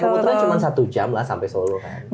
kalau naik komuter line cuma satu jam lah sampai solo kan